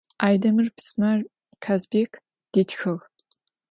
Aydemır pismer Kazbêk ditxığ.